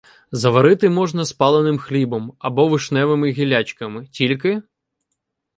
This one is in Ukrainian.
Заварити можна спаленим хлібом або вишневими гіллячками, тільки.